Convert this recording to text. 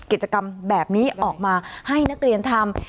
กิจกรรมแบบนี้ออกมาให้นักเรียนทำ